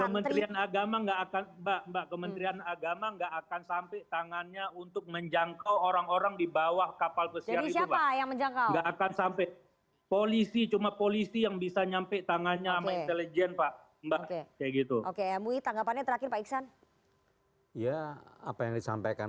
kementerian agama gak akan mbak mbak kementerian agama gak akan sampai tangannya untuk menjangkau orang orang di bandara